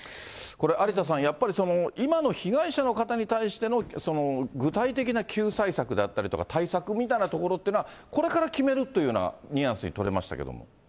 有田さん、やっぱり今の被害者の方に対してのその具体的な救済策であったりとか、対策みたいなところっていうのは、これから決めるっていうようなニュアンスに取れましたけれども。